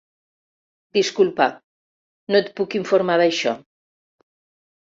Disculpa, no et puc informar d'això.